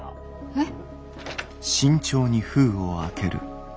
えっ。